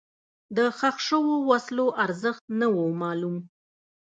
د ښخ شوو وسلو ارزښت نه و معلوم.